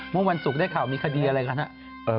เมื่อวันศุกร์ได้ข่าวมีคดีอะไรกันครับ